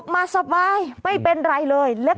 ฮ่าฮ่าฮ่าฮ่าฮ่า